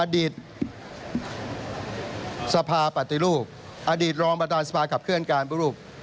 อดีตสภาปฏิรูปอดีตรองประธานสภาขับเคลื่อนการปฏิรูป